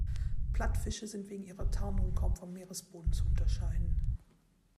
Plattfische sind wegen ihrer Tarnung kaum vom Meeresboden zu unterscheiden.